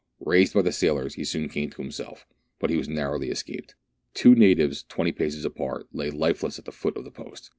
Raised by the sailors, he soon came to himself ; but he had nar rowly escaped. Two natives, twenty paces apart, lay life less at the foot of the post.